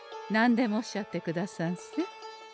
何でもおっしゃってくださんせ。